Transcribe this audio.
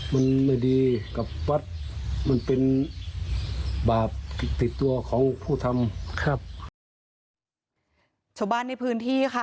มันเป็นบาปติดตัวของผู้ทำ